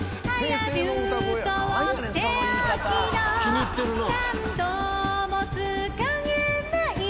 気に入ってるなぁ。